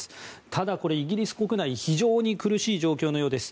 ただ、これはイギリス国内非常に苦しい状況のようです。